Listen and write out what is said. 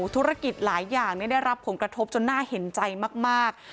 ธุรกิจหลายอย่างได้รับผลกระทบจนน่าเห็นใจมาก